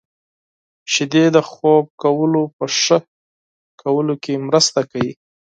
• شیدې د خوب کولو په ښه کولو کې مرسته کوي.